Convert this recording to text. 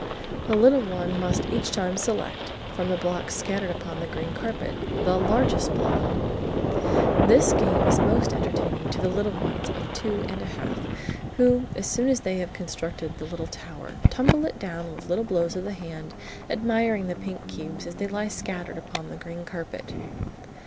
The little one must each time select, from the blocks scattered upon the green carpet, "the largest" block. This game is most entertaining to the little ones of two years and a half, who, as soon as they have constructed the little tower, tumble it down with little blows of the hand, admiring the pink cubes as they lie scattered upon the green carpet.